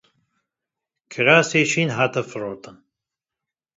Kirasê şîn hat firotin.